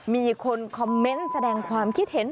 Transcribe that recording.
มีคนคอมเมนต์แสดงความคิดเห็น